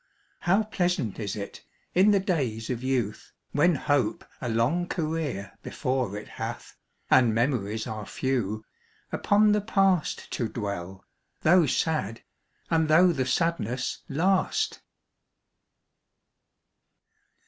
How pleasant is it, in the days of youth, When hope a long career before it hath, And memories are few, upon the past To dwell, though sad, and though the sadness last!